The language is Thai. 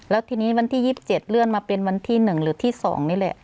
แล้วทีนี้วันที่๒๗เลื่อนมาเป็นวันที่๑หรือที่๒นี่แหละ